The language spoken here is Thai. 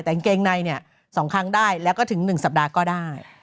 แต่เกงใน๒ครั้งได้แล้วก็ถึง๑สัปดาห์ก็ได้